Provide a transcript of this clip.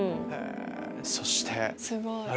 そして。